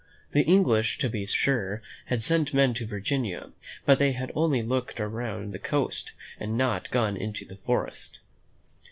The English, to be sure, had sent men to Virginia, but they had only looked around the coast and had not gone into the forest.